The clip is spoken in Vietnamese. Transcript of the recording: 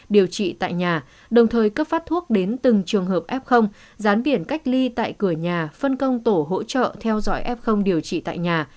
điều trị tại nhà đồng thời cấp phát thuốc đến từng trường hợp f gián biển cách ly tại cửa nhà phân công tổ hỗ trợ theo dõi f điều trị tại nhà